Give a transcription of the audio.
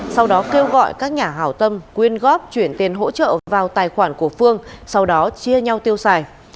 sau đó kêu gọi các nhà hảo tâm quyên góp chuyển tiền hỗ trợ vào tài khoản của phương sau đó chia nhau tiêu xài